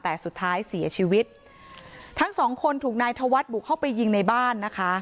แต่สุดท้ายเสียชีวิตทั้งสองคนถูกนายธวัฒน์บุกเข้าไปยิงในบ้านนะคะ